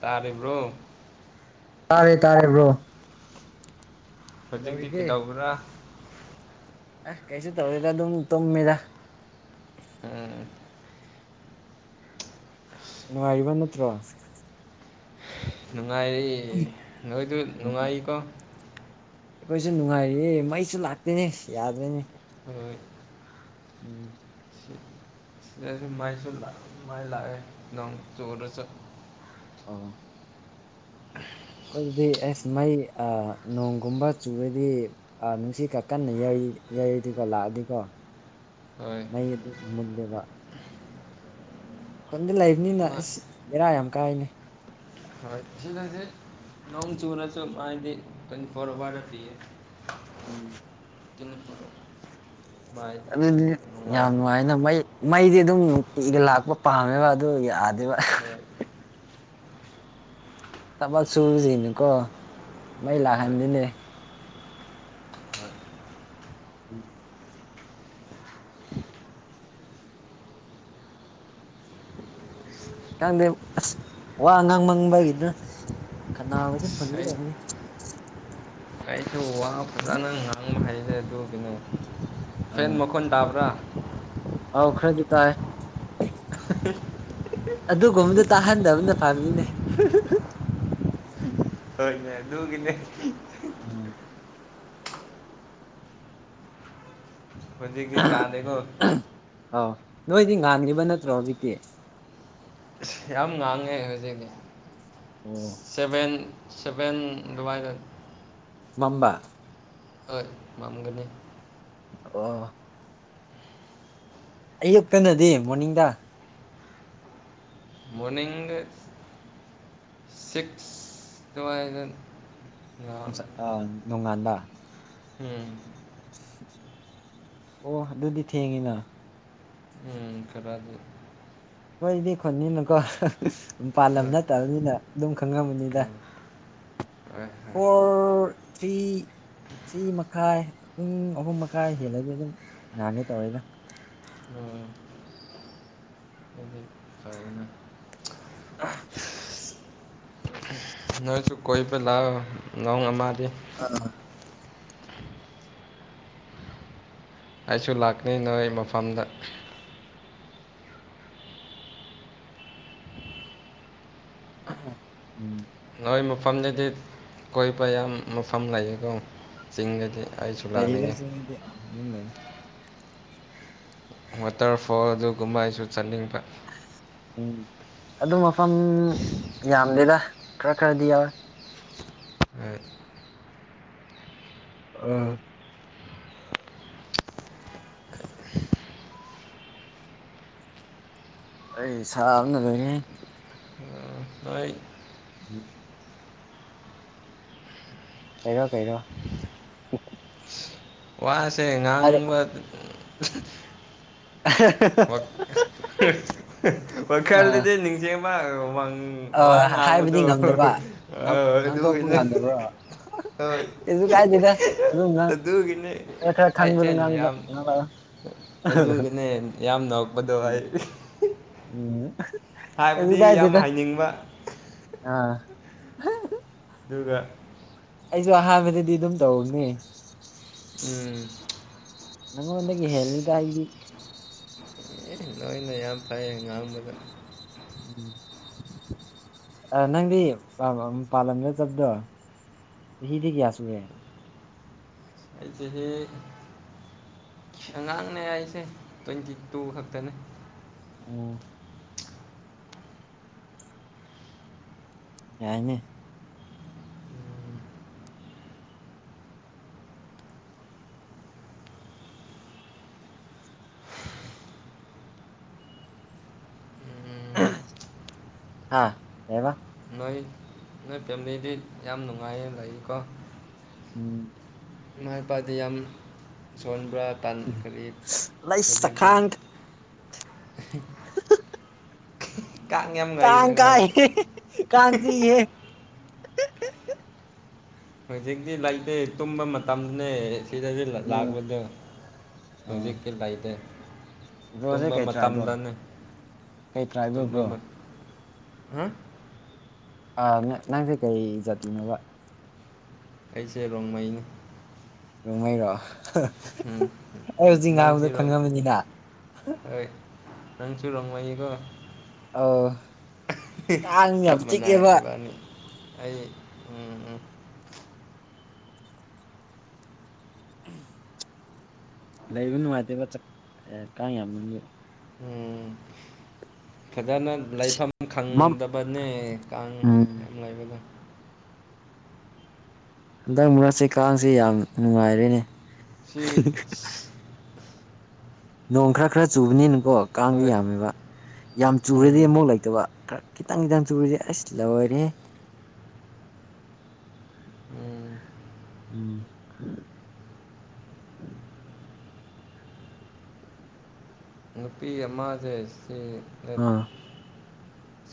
ꯇꯥꯔꯤꯕ꯭ꯔꯣ ꯇꯥꯔꯦ ꯇꯥꯔꯦ ꯕ꯭ꯔꯣ ꯍꯧꯖꯤꯛꯇꯤ ꯀꯩꯗꯧꯔꯤꯒꯦ ꯀꯩꯗꯧꯕ꯭ꯔꯥ ꯑ ꯀꯩꯁꯨ ꯇꯧꯗꯦꯗ ꯑꯗꯨꯝ ꯇꯨꯝꯃꯦꯗ ꯎꯝ ꯅꯨꯡꯉꯥꯏꯔꯤꯕ ꯅꯠꯇ꯭ꯔꯣ ꯅꯨꯡꯉꯥꯏꯔꯤ ꯅꯣꯏꯖꯨ ꯎꯝ ꯅꯨꯡꯉꯥꯏꯔꯤꯀꯣ ꯑꯩꯈꯣꯏꯁꯨ ꯅꯨꯡꯉꯥꯏꯔꯤꯌꯦ ꯃꯩꯁꯨ ꯂꯥꯛꯇ‌ꯦꯅꯦ ꯑꯁ ꯌꯥꯗ꯭ꯔ‌ꯦꯅꯦ ꯍ ꯎꯝ ꯃꯥꯏꯁꯨ ꯃꯥꯏꯁꯨ ꯂꯥꯛ ꯃꯩ ꯂꯥꯛꯑ‌ꯦ ꯅꯣꯡ ꯆꯔꯁꯨ ꯑꯣ [inaudible] ꯑꯩꯈꯣꯏꯗꯤ ꯑꯦꯁ ꯃꯩ ꯑ ꯅꯣꯡꯒꯨꯝꯕ ꯆꯨꯔꯗꯤ ꯑꯥ ꯅꯨꯡꯁꯤꯠꯀ ꯀꯟꯅ ꯌꯩ ꯌꯩꯔꯗꯤꯀꯣ ꯂꯥꯛꯑꯗꯤꯀꯣ ꯍ‌ꯣꯏ ꯍꯩ ꯑꯗꯨ ꯃꯨꯜꯂ‌ꯦꯕ ꯈꯨꯟꯗ ꯂꯩꯕꯅꯤꯅ ꯃꯥꯏ ꯑꯁ ꯕ‌ꯦꯔꯥ ꯌꯥꯝ ꯀꯥꯏꯅꯦ ꯍꯣꯏ ꯊꯤꯅꯁꯦ ꯅꯣꯡ ꯆꯨꯅꯁꯨ ꯃꯩꯗꯤ ꯇ꯭ꯋꯦꯟꯇꯤ ꯐꯣꯔ ꯋꯥꯔꯗ ꯄꯤꯌꯦ ꯎꯝ ꯑꯗꯨꯅꯤ ꯃꯔꯨꯞ ꯑꯗꯨꯗꯤ ꯌꯥꯝ ꯅꯨꯡꯉꯥꯏ ꯑꯗꯨꯅ ꯃꯩ ꯃꯩꯗꯤ ꯑꯗꯨꯝ ꯅꯨꯡꯇꯤꯒꯤ ꯂꯥꯛꯄ ꯄꯥꯝꯃꯦꯕ ꯑꯗꯨꯒꯤ ꯌꯥꯗꯦꯕ ꯍꯣꯏ ꯊꯕꯛ ꯁꯨꯁꯤꯅꯀꯣ ꯃꯩ ꯍꯣꯏ ꯂꯥꯛꯍꯟꯅꯤꯡꯗ‌ꯦ ꯍꯣꯏ ꯎꯝ ꯈꯪꯗꯦ ꯑꯁ ꯋꯥ ꯉꯥꯡꯃꯟꯕꯒꯤꯗ ꯈꯅꯥꯎꯁ‌ꯦ ꯑꯁ ꯐꯨꯟꯒ‌ꯦ ꯑꯩ ꯇꯧꯏꯅ‌ꯦ ꯑꯗꯨ ꯋꯥ ꯉꯥꯡ ꯐꯖꯅ ꯉꯥꯡꯕ ꯍꯩꯔꯦ ꯑꯗꯨꯒꯤꯅꯦ ꯐꯦꯟ ꯑꯥ ꯃꯈꯣꯟ ꯇꯥꯕ꯭ꯔꯥ ꯑꯧ ꯈꯔꯗꯤ ꯇꯥꯏꯌ‌ꯦ [unintelligible] ꯑꯗꯨꯒꯨꯝꯕꯗꯤ ꯇꯥꯍꯟꯗꯕꯅ ꯐꯕꯅꯤꯅꯦ ꯍꯣꯏꯅꯦ ꯑꯗꯨꯒꯤꯅꯦ ꯎꯝ ꯍꯧꯖꯤꯛꯒꯤ ꯇꯥꯗ‌ꯦꯀꯣ ꯑꯥꯎ ꯅꯣꯏꯗꯤ ꯉꯥꯟꯈꯤꯕ ꯅꯠꯇ꯭ꯔꯣ ꯍꯧꯖꯤꯛꯇꯤ ꯑꯁ ꯌꯥꯝ ꯉꯥꯡꯉꯦ ꯍꯧꯖꯤꯛ ꯑꯣ ꯁꯚꯦꯟ ꯁꯚꯦꯟ ꯑꯗꯨꯃꯥꯏꯅ ꯃꯝꯕ ꯍꯣꯏ ꯃꯝꯒꯅꯤ ꯑꯣ ꯑꯌꯨꯛꯇꯅꯗꯤ ꯃꯣꯔꯅꯤꯡꯗ ꯃꯣꯔꯅꯤꯡꯗ ꯁꯤꯛꯁ ꯗꯨꯃꯥꯏꯅ ꯑ ꯅꯣꯡꯉꯥꯟꯕꯥ ꯎꯝ ꯑꯣ ꯑꯗꯨꯗꯤ ꯊꯦꯡꯉꯤꯅ ꯎꯝ ꯈꯔꯗꯤ ꯈ‌ꯣꯏꯗꯤ ꯈꯨꯟꯅꯤꯅꯀꯣ ꯃꯄꯥꯜꯂꯝꯗ ꯍꯣꯏ ꯅꯠꯇꯕꯅꯤꯅ ꯑꯗꯨꯝ ꯈꯪꯉꯝꯃꯅꯤꯗ ꯎꯝ ꯍꯣꯏ ꯍꯣꯏ ꯐꯣꯔ ꯊ꯭ꯔꯤ ꯊꯔꯤ ꯃꯈꯥꯏ ꯄꯨꯡ ꯑꯍꯨꯝ ꯃꯈꯥꯏ ꯍꯦꯜꯂꯗꯤ ꯑꯗꯨꯝ ꯉꯥꯡꯒꯦ ꯇꯧꯔꯦꯗ ꯎꯝ ꯑꯗꯨ [unintelligible] [unintelligible] ꯅꯣꯏꯁꯨ ꯀꯣꯏꯕ ꯂꯥꯛꯑꯣ ꯅꯣꯡ ꯑꯃꯗꯤ ꯑꯥ ꯑꯩꯁꯨ ꯂꯥꯛꯀꯦ ꯅꯣꯏ ꯃꯐꯝꯗ ꯎꯝ ꯅꯣꯏ ꯃꯐꯝꯗꯗꯤ ꯀꯣꯏꯕ ꯌꯥꯝ ꯃꯐꯝ ꯂꯩꯌꯦꯀꯣ ꯆꯤꯡꯗꯗꯤ ꯑꯩꯁꯨ ꯂꯩ ꯂꯥꯛꯅꯤꯡꯉꯤ ꯂꯩꯗꯤ ꯋꯥꯇꯔꯐꯣꯜ ꯑꯗꯨꯒꯨꯝꯕ ꯑꯩꯁꯨ ꯆꯠꯅꯤꯡꯕ ꯎꯝ ꯑꯗꯨ ꯃꯐꯝ ꯌꯥꯝꯗꯦꯗ ꯈꯔ ꯈꯔꯗꯤ ꯌꯥꯎꯋꯦ [inaudible] ꯑꯥ ꯑꯩ ꯑꯁꯥꯕꯅ ꯂꯣꯏꯔꯦ ꯍꯦ ꯅꯣꯏ ꯎꯝ [unintelligible] ꯋꯥꯁꯦ ꯑ ꯉꯥꯡꯕ ꯑ [unintelligible] ꯋꯥ ꯋꯈꯜ ꯑꯗꯨꯗꯤ ꯅꯤꯡꯁꯤꯡꯕ ꯎꯪ ꯑ ꯋꯥ ꯍꯥꯏꯕꯗꯤ ꯉꯥꯡꯕꯗꯣ ꯉꯝꯗꯕ ꯉꯥꯡ ꯉꯥꯡꯊꯣꯛꯄ ꯑꯗꯨꯚꯤꯅꯦ ꯉꯝꯗꯕ꯭ꯔꯣ ꯍꯣꯏ ꯀꯩꯁꯨ ꯀꯥꯏꯗꯦꯗ ꯑꯗꯨꯝ ꯉꯥꯡ ꯑꯗꯨꯒꯤꯅꯦ ꯈꯔ ꯈꯔ ꯑꯩ ꯈꯪꯕꯗꯣ ꯏꯆꯦꯅꯤ ꯉꯥꯡꯕ ꯌꯥꯝ ꯉꯥꯡꯂꯛꯑꯣ ꯑꯗꯨꯒꯤꯅꯦ ꯌꯥꯝ ꯅꯣꯛꯄꯗꯣ ꯑꯩ ꯎꯝ ꯑꯍꯤ ꯍꯥꯏꯕꯗꯤ ꯀꯩꯁꯨ ꯌꯥꯝ ꯀꯥꯏꯗꯦꯗ ꯍꯥꯏꯅꯤꯡꯕ ꯑꯗꯨꯒ ꯑꯩꯁꯨ ꯑꯍꯥꯟꯕꯗꯗꯤ ꯑꯗꯨꯝ ꯇꯧꯅꯦ ꯎꯝ ꯅꯉꯣꯟꯗꯒꯤ ꯍꯦꯜꯂꯤꯗ ꯑꯩꯗꯤ ꯑꯦ ꯅꯣꯏꯅ ꯌꯥꯝ ꯐꯩꯌꯦ ꯉꯥꯡꯕꯗ ꯎꯝ ꯑꯥ ꯅꯪꯗꯤ ꯄꯥꯟꯂꯝꯗ ꯆꯠꯄꯗꯣ ꯆꯍꯤꯗꯤ ꯀꯌꯥ ꯁꯨꯔꯦ ꯑꯩ ꯆꯍꯤ ꯑꯉꯥꯡꯅꯦ ꯑꯩꯁꯦ ꯇ꯭ꯋꯦꯟꯇꯤ ꯇꯨ ꯈꯛꯇꯅꯦ ꯑꯣ ꯌꯥꯏꯅꯦ [inaudible] ꯎꯝ ꯍꯥꯥ ꯀꯩꯑꯕ ꯅꯣꯏ ꯅꯣꯏ ꯐꯦꯃꯤꯂꯤꯗꯤ ꯌꯥꯝ ꯅꯨꯡꯉꯥꯏꯅ ꯂꯩꯀꯣ ꯎꯝ ꯏꯃꯥ ꯏꯄꯥꯗꯤ ꯌꯥꯝ ꯁꯣꯟꯕ꯭ꯔꯥ ꯄꯥꯟ ꯀꯔꯤ ꯂꯩꯁ ꯍꯧꯖꯤꯛꯛꯇꯤ ꯀꯥꯡ ꯑꯍꯤ [inaudible] ꯉꯥꯏ ꯀꯥꯟ ꯉꯥꯏ ꯀꯥꯏ ꯀꯥꯟ ꯆꯤꯛ ꯏ ꯍꯦ ꯍꯤꯍꯤ ꯍꯧꯖꯤꯛꯇꯤ ꯂꯩꯇꯦ ꯇꯨꯝꯕ ꯃꯇꯝꯅꯦ ꯖꯤꯗꯖꯨ ꯂ ꯎꯝ ꯂꯥꯛꯕꯗꯣ ꯍꯧꯖꯤꯛꯀꯤ ꯂꯩꯇꯦ ꯑ ꯕ꯭ꯔꯣꯁꯦ ꯇꯨꯝꯕ ꯀꯩ ꯇ꯭ꯔꯥꯏꯕ꯭ꯔꯣ ꯃꯇꯝꯗꯅꯦ ꯀꯩ ꯇ꯭ꯔꯥꯏꯕ꯭ꯔꯣ ꯇꯨꯝꯕ ꯕ꯭ꯔꯣ ꯃ ꯍ ꯑ ꯅ ꯅꯪꯖꯦ ꯀꯩ ꯖꯥꯠꯇꯤꯅꯣꯕ ꯑꯩꯁꯦ ꯔꯣꯡꯃꯩꯅꯦ ꯔꯣꯡꯃꯩꯔꯣ ꯍꯨꯝ ꯑꯩ ꯍꯧꯖꯤꯛ ꯅꯪꯆꯤ ꯉꯥꯡꯕꯗꯣ ꯔꯣꯡ ꯈꯪꯉꯝꯃꯅꯤꯅ ꯑꯩ ꯅꯪꯆꯨ ꯔꯣꯡꯃꯩꯅꯤꯀꯣ ꯑꯧ ꯀꯥꯡ ꯌꯥꯝ ꯆꯞ ꯃꯟꯅꯩ ꯆꯤꯛꯑꯦꯕ ꯑꯦꯕꯥꯅꯤ ꯑꯩ ꯎꯝ ꯎꯝ ꯎꯝ ꯂꯩꯕ ꯅꯨꯡꯉꯥꯏꯇꯦꯕ ꯆꯛ ꯑꯦ ꯀꯥꯡ ꯌꯥꯝꯃꯟꯕꯩ ꯎꯝ ꯐꯖꯅ ꯂꯩꯐꯝ ꯃꯝ ꯈꯪꯗꯕꯅꯦ ꯀꯥꯡ ꯎꯝ ꯌꯥꯝ ꯂꯩꯕꯗꯣ ꯍꯟꯗꯛ ꯃꯔꯛꯁꯦ ꯀꯥꯡꯖꯦ ꯌꯥꯝ ꯅꯨꯡꯉꯥꯏꯔꯦꯅꯦ ꯊꯤ ꯅꯣꯡ ꯈ꯭ꯔ ꯈ꯭ꯔ ꯆꯨꯕꯅꯤꯅꯀꯣ ꯀꯥꯡꯗꯤ ꯍꯣꯏ ꯌꯥꯝꯃꯦꯕ ꯌꯥꯝ ꯆꯨꯔꯗꯤ ꯎꯝ ꯑꯃꯨꯛ ꯂꯩꯇꯕ ꯈ꯭ꯔ ꯈꯤꯇꯪ ꯈꯤꯇꯪ ꯆꯨꯔꯗꯤ ꯑꯁ ꯂꯣꯏꯔꯦꯍꯦ ꯎꯝ ꯎꯝ [inaudible] ꯅꯨꯄꯤ ꯑꯃꯥꯖꯦ ꯁꯦ ꯑ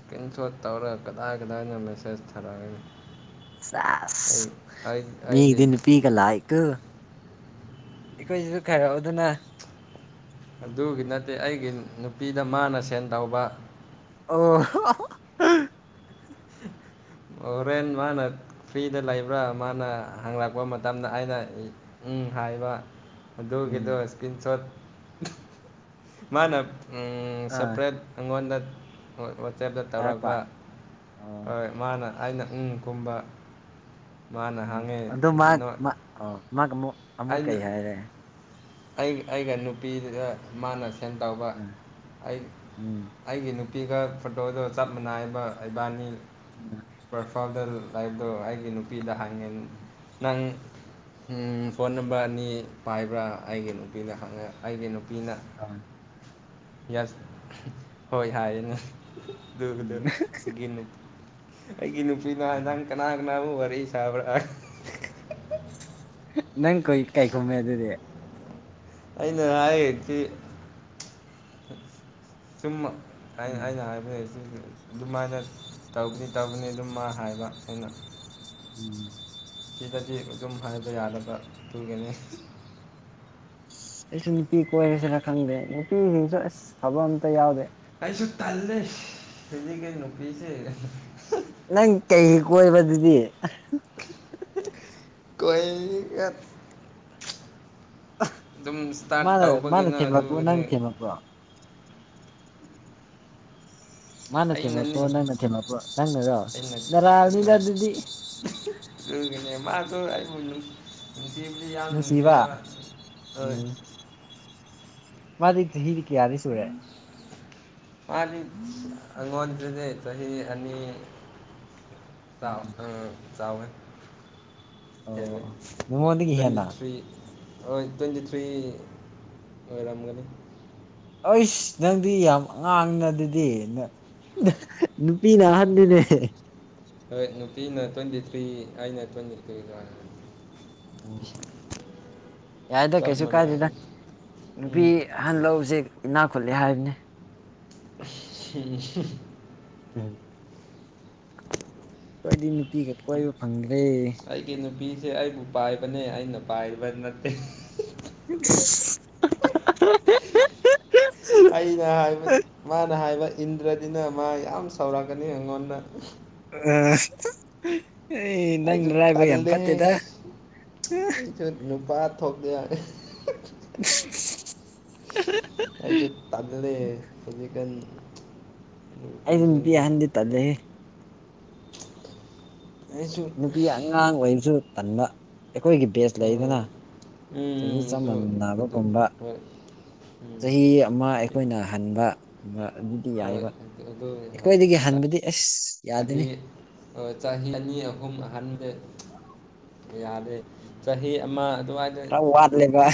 ꯀꯤꯟ ꯁꯣꯠ ꯇꯧꯔꯒ ꯀꯗꯥꯏ ꯀꯗꯥꯏꯅꯣ ꯃꯦꯁꯦꯁ ꯊꯥꯔꯛꯀꯅꯤ ꯁꯦꯁ ꯑꯩꯒꯤ ꯃꯤꯒꯤꯗꯤ ꯅꯨꯄꯤꯒ ꯂꯥꯛꯏꯀꯣ ꯑꯩꯈꯣꯏꯗꯖꯨ ꯈꯥꯏꯔꯛꯑꯧꯗꯅ ꯑꯗꯨꯒꯤ ꯅꯠꯇꯦ ꯑꯩꯒꯤ ꯅꯨꯄꯤꯗ ꯃꯥꯅ ꯁꯦꯟ ꯇꯧꯕ ꯑꯣ ꯑꯣꯔꯦꯟ ꯃꯥꯅ ꯐ꯭ꯔꯤꯗ ꯂꯩꯕ꯭ꯔꯥ ꯃꯥꯅ ꯍꯪꯂꯛꯄ ꯃꯇꯝꯗ ꯑꯩꯅ ꯏ ꯎꯪ ꯍꯥꯏꯕ ꯎꯝ ꯑꯗꯨꯒꯤꯗꯣ ꯏꯁꯀ꯭ꯔꯤꯟ ꯁꯣꯠ ꯃꯥꯅ ꯎꯝ ꯑꯥ ꯁꯦꯄ꯭ꯔꯦꯠ ꯑꯉꯣꯟꯗ ꯍꯣꯏ ꯋꯥꯆꯦꯞꯇ ꯍꯥꯏꯔꯛꯄ ꯇꯧꯔꯛꯄ ꯑꯣ ꯍꯣꯏ ꯃꯥꯅ ꯑꯩꯅ ꯎꯝ ꯈꯨꯝꯕ ꯃꯥꯅ ꯎꯝ ꯍꯪꯉꯦ ꯑꯗꯨ ꯃꯥꯠ ꯅꯣꯏ ꯃꯥ ꯑꯣ ꯃꯥꯒ ꯃꯨꯛ ꯑꯃꯨꯛ ꯑꯩꯅ ꯀꯩ ꯍꯥꯏꯔꯦ ꯑꯩ ꯑꯩꯒ ꯅꯨꯄꯤꯗꯨꯗ ꯃꯥꯅ ꯁꯦꯟ ꯇꯧꯕ ꯑꯩ ꯎꯝ ꯑꯩꯒꯤ ꯅꯨ ꯄꯤꯒ ꯐꯣꯇꯣꯗꯣ ꯆꯞ ꯃꯥꯟꯅꯥꯏꯕ ꯑꯩꯕꯥꯟꯅꯤ ꯁꯥꯟꯅ ꯄꯔ ꯐꯥꯗꯔ ꯂꯥꯏꯞꯗꯣ ꯑꯩꯒꯤ ꯅꯨꯄꯤꯗ ꯍꯥꯡꯉꯦ ꯅꯪ ꯎꯝ ꯐꯣꯟ ꯅꯝꯕꯔ ꯑꯅꯤ ꯄꯥꯏꯕ꯭ꯔꯥ ꯑꯩꯒꯤ ꯅꯨꯄꯤꯗ ꯍꯪꯉꯦ ꯑꯩꯒꯤ ꯅꯨꯄꯤꯅ ꯑ ꯌꯦꯁ ꯍꯣꯏ ꯍꯥꯏꯌꯦꯅꯦ ꯗꯨꯒꯗꯨ ꯎꯝ ꯒꯤꯅꯨ ꯑꯩꯒꯤ ꯅꯨꯄꯤꯅ ꯅꯪ ꯀꯅꯥ ꯀꯅꯥꯕꯨ ꯋꯥꯔꯤ ꯁꯥꯕ꯭ꯔꯥ ꯅꯪ ꯀꯨꯏ ꯀꯩ ꯈꯨꯝꯃꯦ ꯑꯗꯨꯗꯤ ꯑꯩꯅ ꯍꯥꯏꯌꯦꯛꯊꯤ ꯁꯨꯝ ꯑꯩ ꯎꯝ ꯑꯩꯅ ꯍꯥꯏꯕꯅꯦ ꯁꯤ ꯅꯨ ꯑꯗꯨꯃꯥꯏꯅ ꯇꯧꯒꯅꯤ ꯇꯧꯒꯅꯤ ꯑꯗꯨꯝ ꯃꯥ ꯍꯥꯏꯕ ꯑꯩꯅ ꯎꯝ ꯁꯤꯗꯗꯤ ꯑꯗꯨꯝ ꯍꯥꯏꯕ ꯌꯥꯗꯕ ꯑꯗꯨꯒꯤꯅꯤ ꯑꯩꯁꯨ ꯅꯨꯄꯤ ꯀꯣꯏꯔꯁꯤꯔ ꯈꯪꯗꯦ ꯅꯨꯄꯤꯁꯤꯡꯁꯨ ꯑꯁ ꯐꯕ ꯑꯝꯇ ꯌꯥꯎꯗꯦ ꯑꯩꯁꯨ ꯇꯜꯂꯦ ꯍꯧꯖꯤꯛ ꯀꯩ ꯅꯨꯄꯤꯁꯦ ꯅꯪ ꯀꯩꯒꯤ ꯀꯣꯏꯕ ꯑꯗꯨꯗꯤ ꯀꯣꯏ ꯒꯠ ꯑꯗꯨꯝ ꯏꯁꯇꯥꯔꯠ ꯃꯥꯅ ꯃꯥꯅ ꯇꯧꯕꯒꯤꯅ ꯊꯦꯝꯂꯛꯄ꯭ꯔꯣ ꯑꯗꯨꯒꯤꯅꯦ ꯅꯪ ꯊꯦꯝꯂꯛꯄ꯭ꯔꯣ ꯃꯥꯅ ꯊꯦꯝꯃꯛꯛꯄꯣ ꯑꯩꯅꯅꯤ ꯅꯪꯅ ꯊꯦꯝꯃꯛꯄꯣ ꯅꯪꯅꯔꯣ ꯑꯩꯅ ꯅꯔꯥꯜꯅꯤꯅ ꯍꯣꯏ ꯑꯗꯨꯗꯤ ꯑꯗꯨꯒꯤꯅꯦ ꯃꯥꯁꯨ ꯑꯩꯕꯨ ꯅꯨꯡ ꯅꯨꯡꯁꯤꯕꯗꯤ ꯌꯥꯝ ꯅꯨꯡꯁꯤꯕ ꯅꯨꯡꯁꯤꯌꯦꯕ ꯍꯣꯏ ꯎꯝ ꯃꯥꯗꯤ ꯆꯍꯤꯗꯤ ꯀꯌꯥꯗꯤ ꯁꯨꯨꯔꯦ ꯃꯥꯗꯤ ꯑꯉꯣꯗꯗꯤ ꯆꯁꯤ ꯑꯅꯤ ꯎꯝ ꯆꯥꯎ ꯑꯥ ꯆꯥꯎꯋꯦ ꯑꯣ ꯍꯦꯜꯂꯦ ꯑꯣ ꯅꯉꯣꯟꯗꯒꯤ ꯇ꯭ꯋꯦꯟꯇꯤ ꯍꯦꯟꯅ ꯊ꯭ꯔꯤ ꯍꯣꯏ ꯇ꯭ꯋꯦꯟꯇꯤ ꯊ꯭ꯔꯤ ꯑꯣꯏꯔꯝꯒꯅꯤ ꯑꯩꯁ ꯅꯪꯗꯤ ꯌꯥꯝ ꯑꯉꯥꯡꯅꯤꯅ ꯑꯗꯨꯗꯤ ꯅꯨꯄꯤꯅ ꯑꯍꯟꯅꯤꯅꯦ ꯍꯣꯏ ꯅꯨꯄꯤꯅ ꯇ꯭ꯋꯦꯟꯇꯤ ꯊ꯭ꯔꯤ ꯑꯩꯅ ꯇ꯭ꯋꯦꯟꯇꯤ ꯊꯔꯤꯗ ꯌꯥꯏꯗ ꯆꯞ ꯀꯩꯁꯨ ꯃꯥꯟꯅꯩ ꯀꯥꯏꯗꯦꯗ ꯅꯨꯄꯤ ꯎꯝ ꯑꯍꯟ ꯂꯧꯁꯦ ꯏꯅꯥꯛ ꯈꯨꯠꯂꯦ ꯍꯥꯏꯕꯅꯦ [unintelligible] ꯎꯝ ꯑꯩꯈꯣꯏꯗꯤ ꯅꯨꯄꯤꯒ ꯀꯣꯏꯕ ꯐꯪꯗ꯭ꯔꯦ ꯑꯩꯒꯤ ꯅꯨꯄꯤꯁꯦ ꯑꯩꯕꯨ ꯄꯥꯏꯕꯅꯦ ꯑꯩꯅ ꯄꯥꯏꯕ ꯅꯠꯇꯦ [unintelligible] ꯑꯩꯅ ꯍꯥꯏꯕ ꯃꯥꯅ ꯍꯥꯏꯕ ꯏꯟꯗ꯭ꯔꯗꯤꯅ ꯃꯥ ꯌꯥꯝ ꯆꯥꯎꯔꯛꯀꯅꯤ ꯑꯩꯉꯣꯟꯗ ꯑ ꯑꯩ ꯅꯪ ꯑꯩꯁꯨ ꯅꯔꯥꯏꯕꯛ ꯌꯥꯝ ꯐꯠꯇꯦꯗ ꯇꯨꯠ ꯅꯨꯄꯥ ꯊꯣꯛꯇꯦꯕ [unintelligible] ꯑꯈꯣꯏꯗꯣ ꯇꯜꯂꯦ ꯍꯧꯖꯤꯛꯀꯥꯟ ꯑꯩꯁꯨ ꯅꯨꯄꯤ ꯅꯨꯄꯤꯁꯤꯡꯁꯦ ꯑꯍꯟꯗꯤ ꯇꯜꯂꯤꯍꯦ ꯑꯩꯁꯨ ꯅꯨꯄꯤ ꯑꯉꯥꯡ ꯑꯣꯏꯕꯁꯨ ꯇꯟꯕ ꯑꯩꯈꯣꯏꯒꯤ ꯕꯦꯖ ꯑꯥ ꯂꯩꯗꯅ ꯆꯍꯤ ꯎꯝ ꯆꯞ ꯑꯗꯨ ꯑꯗꯨ ꯃꯟꯅꯕꯒꯨꯝꯕ ꯍꯣꯏ ꯎꯝ ꯆꯍꯤ ꯑꯃ ꯑꯩꯈꯣꯏꯅ ꯍꯟꯕ ꯑꯗꯨꯗꯤ ꯌꯥꯏꯕ ꯑꯗꯣ ꯑꯩꯈꯣꯏꯗꯒꯤ ꯍꯟꯕꯗꯤ ꯑꯁ ꯌꯥꯗꯦꯅꯦ ꯍꯣꯏ ꯆꯍꯤ ꯑꯅꯤ ꯑꯍꯨꯝ ꯍꯟꯗꯦ ꯌꯥꯗ꯭ꯔꯦ ꯆꯍꯤ ꯑꯃ ꯑꯗꯨꯋꯥꯏꯗ ꯈꯔ ꯋꯥꯠꯂꯦꯕ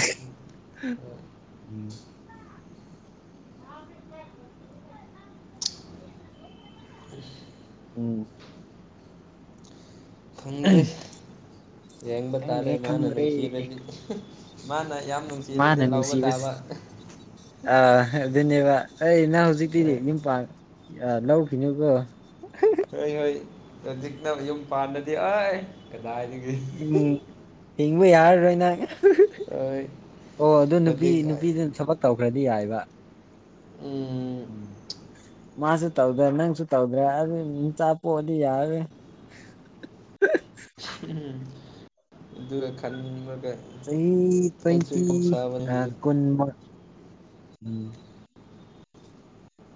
[inaudible] [inaudible] ꯑꯝ ꯈꯪꯗ꯭ꯔꯦ ꯌꯦꯡꯕ ꯇꯥꯔꯦ ꯈꯪꯗ꯭ꯔꯦ ꯃꯥꯅ ꯈꯪꯗ꯭ꯔꯦ ꯅꯨꯡꯁꯤꯔꯗꯤ ꯃꯥꯅ ꯌꯥꯝ ꯅꯨꯡꯁꯤꯔꯗꯤ ꯂꯧꯕ ꯇꯥꯕ ꯑꯥ ꯑꯗꯨꯅꯦꯕ ꯑꯩ ꯅꯪ ꯍꯧꯖꯤꯛꯇꯤꯗꯤ ꯌꯨꯝ ꯄꯥ ꯌꯥ ꯂꯧꯈꯤꯅꯤꯕꯣ ꯍꯣꯏ ꯍꯩ ꯍꯣꯖꯤꯛꯅ ꯌꯨꯝ ꯄꯥꯟꯗꯗꯤ ꯑꯥꯏ ꯀꯗꯥꯏꯗꯒꯤ ꯎꯝ ꯍꯤꯡꯕ ꯌꯥꯔꯔꯣꯏꯅꯪ ꯍꯣꯏ ꯑꯣ ꯑꯗꯨ ꯅꯨꯄꯤ ꯍꯧꯖꯤꯛ ꯅꯨꯄꯤꯗꯨꯅ ꯊꯕꯛ ꯇꯧꯈ꯭ꯔꯗꯤ ꯌꯥꯏꯌꯦꯕ ꯎꯝ ꯃꯥꯁꯨ ꯇꯧꯗ ꯅꯪꯁꯨ ꯇꯧꯗ꯭ꯔꯦ ꯑꯗꯨꯏ ꯆꯥꯛ ꯄꯣꯛꯑꯗꯤ ꯌꯥꯔꯦ ꯑꯗꯨꯔ ꯈꯟꯕ ꯑꯩ ꯇ꯭ꯋꯦꯟꯇꯤ ꯁꯥꯕꯅꯦ ꯌꯥꯗ ꯍꯧꯖꯤꯛ ꯀꯨꯟ ꯃꯥ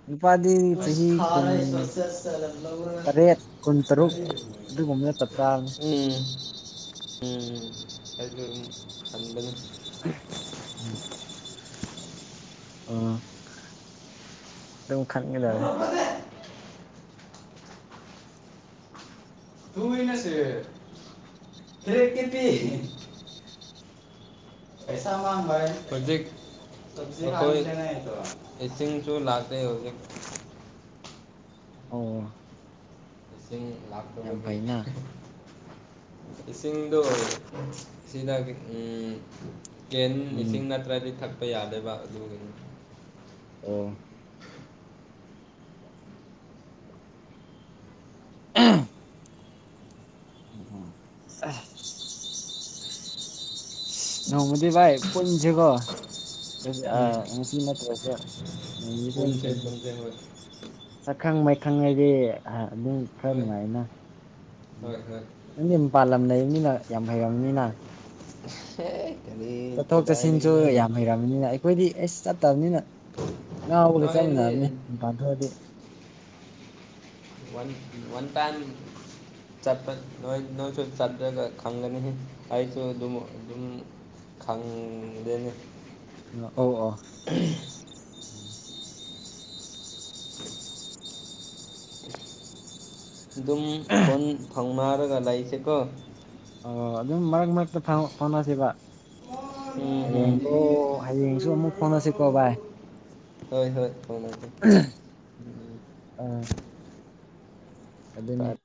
ꯅꯨꯄꯥꯗꯤ ꯄꯨꯁ ꯆꯍꯤ ꯀꯨꯟ ꯈꯥꯔ ꯆꯥꯆꯥꯆꯥꯂꯝꯋꯥꯏ ꯇꯔꯦꯠ ꯀꯨꯟ ꯇꯔꯨꯛ ꯌꯥꯔꯦ ꯑꯗꯨꯒꯨꯝꯕꯅ ꯆꯞ ꯆꯥꯕꯅꯤ ꯎꯝ ꯎꯝ ꯑꯗꯨꯝ ꯀꯟꯕꯅꯤ ꯎꯝ ꯑꯥ ꯅꯪ ꯈꯟꯒꯗꯝꯃꯦ ꯏꯅꯁꯦ ꯐꯦ ꯀꯦ ꯄꯤ ꯄꯩꯁꯥ ꯃꯥꯡꯕ ꯍꯥꯏ ꯍꯧꯖꯤꯛ ꯇꯕꯁꯦ ꯑꯩꯈꯣꯏ ꯏꯁꯤꯡꯁꯨ ꯂꯥꯛꯇꯦ ꯍꯧꯖꯤꯛ ꯑꯣ ꯏꯁꯤꯡ ꯌꯥꯝ ꯂꯥꯛꯇꯕꯒꯤ ꯐꯩꯅ ꯏꯁꯤꯡꯗꯣ ꯆꯤꯅꯕꯤ ꯎꯝ ꯀꯦꯟ ꯏꯁꯤꯡ ꯎꯝ ꯅꯠꯇ꯭ꯔꯗꯤ ꯊꯛꯄ ꯌꯥꯗꯦꯕ ꯑꯗꯨꯒꯤ ꯑꯣ [unintelligible] ꯑꯣ ꯑꯣ ꯑꯦ ꯅꯣꯡꯃꯗꯤ ꯚꯥꯏ ꯄꯨꯟꯖꯤꯀꯣ ꯎꯝ ꯑꯥ ꯉꯁꯤ ꯅꯠꯇ꯭ꯔꯁꯨ ꯅꯣꯡ ꯅꯤꯅꯤꯁꯤ ꯑꯣꯏ ꯄꯨꯟꯁꯦ ꯄꯨꯟꯁꯤ ꯄꯨꯟꯁꯦ ꯍꯣꯏ ꯁꯛꯈꯪ ꯃꯥꯏ ꯈꯪꯅꯔꯦ ꯍꯥꯏ ꯑꯗꯨꯝ ꯈꯔ ꯍꯣꯏ ꯅꯨꯡꯉꯥꯏꯅ ꯎꯝ ꯍꯣꯏ ꯍꯣꯏ ꯅꯪꯗꯤ ꯃꯄꯥꯜꯂꯝ ꯂꯩꯕꯅꯤꯅ ꯌꯥꯝ ꯍꯩꯔꯝꯅꯤꯅ ꯍꯦ ꯆꯠꯊꯣꯛ ꯆꯠꯁꯤꯟꯁꯨ ꯌꯥꯝ ꯍꯔꯝ__ ꯅꯤꯅ ꯑꯩꯈꯣꯏꯗꯤ ꯑꯩꯁ ꯆꯠꯇꯝꯅꯤꯅ ꯉꯥꯎꯕꯒ ꯆꯞ ꯅꯣꯏꯅꯤ ꯃꯥꯟꯅꯕꯅꯤ ꯄꯥꯟꯊꯣꯛꯑꯗꯤ ꯋꯥꯟ ꯋꯥꯟ ꯇꯥꯏꯝ ꯆꯠꯄ ꯅꯣꯏ ꯅꯣꯏꯁꯨ ꯆꯠꯂꯒ ꯈꯪꯒꯅꯤ ꯑꯩꯁꯨ ꯑꯗꯨꯝ ꯑꯗꯨꯝ ꯈꯪꯗꯦꯅꯤ ꯑꯅ ꯑꯧ ꯑꯥ ꯎꯝ ꯑꯗꯨꯝ ꯐꯣꯟ ꯐꯥꯎꯅꯔꯒ ꯂꯩꯁꯦ ꯀꯣ ꯑꯣ ꯑꯗꯨꯝ ꯃꯔꯛ ꯃꯔꯛꯇ ꯐꯥꯎ ꯐꯥꯎꯅꯁꯦꯕ ꯍꯌꯦꯡꯒꯣ ꯍꯌꯦꯡꯁꯨ ꯑꯃꯨꯛ ꯐꯥꯎꯅꯁꯤ ꯀꯣ ꯚꯥꯏ ꯍꯣꯏ ꯍꯣꯏ ꯐꯥꯎꯅꯇꯦ ꯑꯥ ꯑꯗꯨꯅꯤ